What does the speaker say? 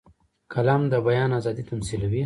قلم د بیان آزادي تمثیلوي